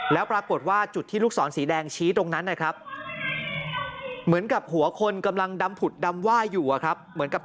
แล้วปรากฏว่าจุดที่ลูกศรสีแดงชี้ตรงนั้นนะครับ